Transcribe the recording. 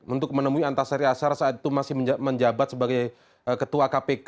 untuk menemui antasari ashar saat itu masih menjabat sebagai ketua kpk